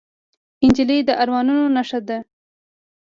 نجلۍ د ارمانونو نښه ده.